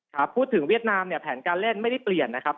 ครับพูดถึงเวียดนามเนี่ยแผนการเล่นไม่ได้เปลี่ยนนะครับ